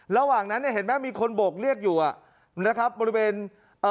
ระหว่างนั้นเนี่ยเห็นไหมมีคนโบกเรียกอยู่อ่ะนะครับบริเวณเอ่อ